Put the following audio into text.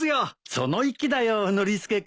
その意気だよノリスケ君。